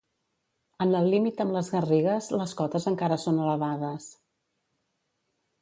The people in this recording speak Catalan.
En el límit amb les Garrigues les cotes encara són elevades.